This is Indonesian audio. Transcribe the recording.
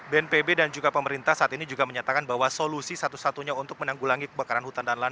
bnpb dan juga pemerintah saat ini juga menyatakan bahwa solusi satu satunya untuk menanggulangi kebakaran hutan dan lahan